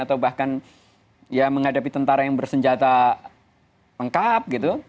atau bahkan menghadapi tentara yang bersenjata lengkap